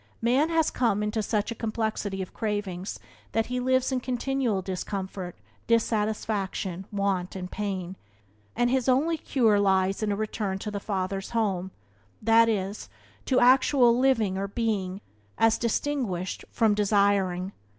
Man has come into such a complexity of cravings that he lives in continual discontent, dissatisfaction, want, and pain; and his only cure lies in a return to the Father's Home — that is, to actual living or being as distinguished from desiring.